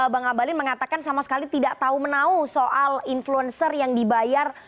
bang abalin mengatakan sama sekali tidak tahu menau soal influencer yang dibayar